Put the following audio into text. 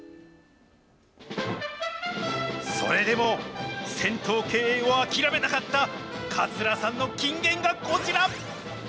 それでも、銭湯経営を諦めなかった桂さんの金言が、こちら！